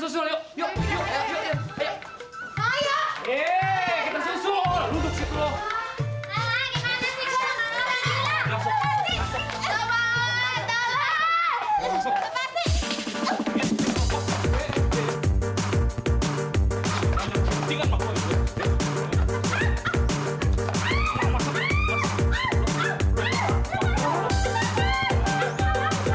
saya ini dokter cinta